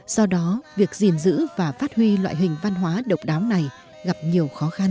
do đó việc gìn giữ và phát huy loại hình văn hóa độc đáo này gặp nhiều khó khăn